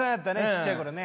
ちっちゃい頃ね。